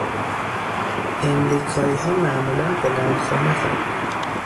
امریکاییها معمولا بلند قامتاند.